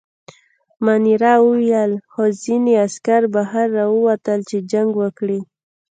مانیرا وویل: خو ځینې عسکر بهر راووتل، چې جنګ وکړي.